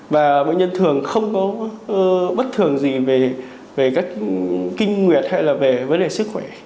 và bệnh nhân thường không có bất thường gì về cách kinh nguyệt hay là về vấn đề sức khỏe